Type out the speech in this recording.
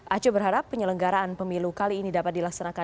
acha berharap penyelenggaraan pemilu kali ini dapat dilaksenakan